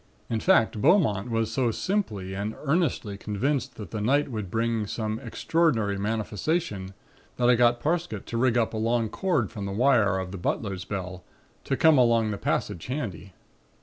In fact, Beaumont was so simply and earnestly convinced that the night would bring some extraordinary manifestation that I got Parsket to rig up a long cord from the wire of the butler's bell, to come along the passage handy.